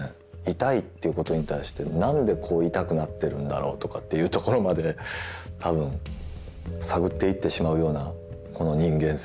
「痛い」ということに対して何でこう痛くなってるんだろうとかというところまで多分探っていってしまうようなこの人間性。